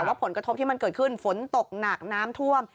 ว่าผลกระทบที่มันเกิดขึ้นฝนตกหนักน้ำท่วม